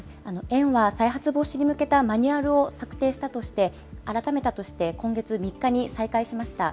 園は再発防止に向けたマニュアルを策定したとして、改めたとして、今月３日に再開しました。